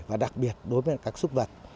và đặc biệt đối với các súc vật